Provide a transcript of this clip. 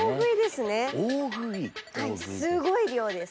すごい量です。